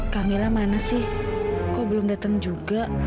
camilla mana sih kok belum datang juga